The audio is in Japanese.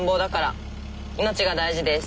命が大事です。